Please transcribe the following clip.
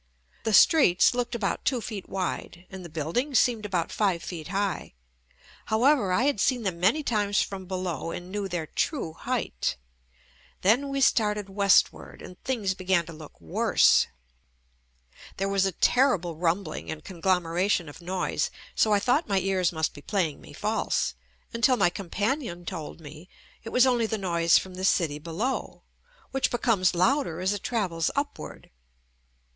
The streets looked about two feet wide and the buildings seemed about five feet high ; however I had seen them many times from below and knew their true height. Then we started west ward and things began to look worse. There was a terrible rumbling and conglomeration of noise, so I thought my ears must be playing me false until my companion told me it was only the noise from the city below, which becomes louder as it travels upward.